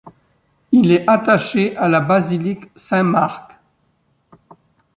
Il est attaché à la basilique Saint-Marc.